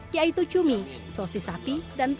yaitu cumi sosis sapi